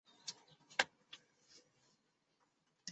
我自己处理好了